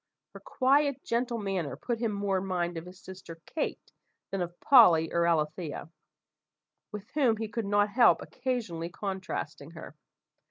Her quiet, gentle manner put him more in mind of his sister Kate, than of Polly or Alethea, with whom he could not help occasionally contrasting her.